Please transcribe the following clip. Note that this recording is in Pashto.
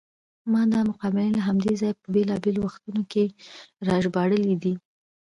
ما دا مقالې له همدې ځایه په بېلابېلو وختونو کې راژباړلې دي.